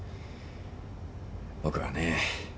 僕はね